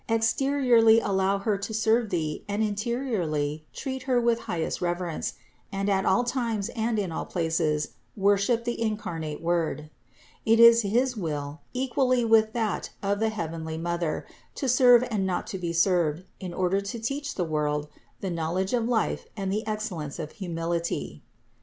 Exteriorly allow Her to THE INCARNATION 345 serve thee and interiorly treat Her with highest rever ence, and at all times and in all places worship the in carnate Word. It is his will, equally with that of the heavenly Mother, to serve and not to be served, in order to teach the world the knowledge of life and the excel lence of humility.